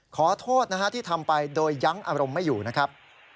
ขอโทษนะฮะที่ทำไปโดยยั้งอารมณ์ไม่อยู่นะครับ